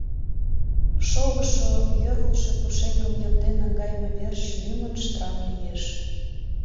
Шогышо, йӧрлшӧ пушеҥгым йодде наҥгайыме верч лӱмын штраф лиеш.